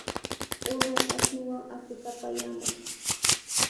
Unay ashnuwan aquta apayamuq.